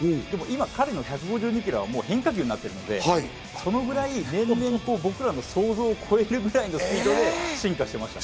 今、彼の１５２キロは変化球ですので、そのぐらい僕らの想像を超えるぐらいのスピードで進化していますね。